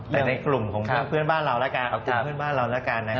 แต่ในกลุ่มของเพื่อนบ้านเราละกัน